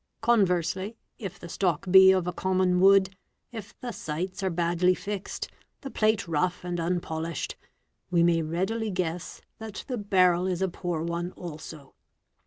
Conversely, if " the stock be of a common wood, if the sights are badly fixed, the plate rough and unpolished, we may readily guess that the barrel is a poor one also.